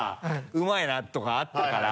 うまいなとかあったから。